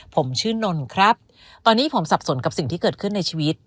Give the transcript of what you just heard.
ผมชื่อนนครับตอนนี้ผมสับสนกับสิ่งที่เกิดขึ้นในชีวิต